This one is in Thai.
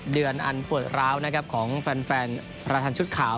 เดือนอันปวดร้าวนะครับของแฟนประธานชุดขาว